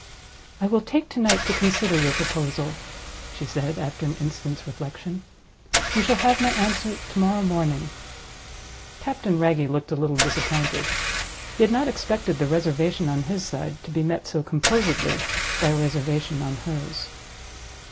"I will take to night to consider your proposal," she said, after an instant's reflection. "You shall have my answer to morrow morning." Captain Wragge looked a little disappointed. He had not expected the reservation on his side to be met so composedly by a reservation on hers.